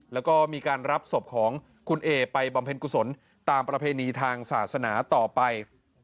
แล้วก็มีการรับศพของคุณเอไปบำเพ็ญกุศลตามประเพณีทางศาสนาต่อไป